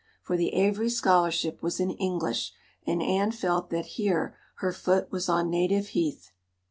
For the Avery scholarship was in English, and Anne felt that here her foot was on native heath.